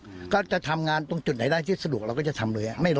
แล้วก็จะทำงานตรงจุดไหนได้ที่สะดวกก็จะทำเลยไม่รอ